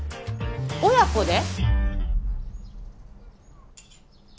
親子で？